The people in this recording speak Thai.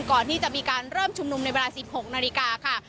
ก่อนที่จะมีการเริ่มชุมนุมในเวลา๑๖นาฬิกาค่ะ